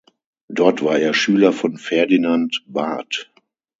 Dort war er Schüler von Ferdinand Barth.